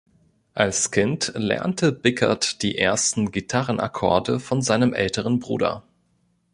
Als Kind lernte Bickert die ersten Gitarren-Akkorde von seinem älteren Bruder.